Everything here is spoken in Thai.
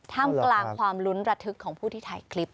ท่ามกลางความลุ้นระทึกของผู้ที่ถ่ายคลิป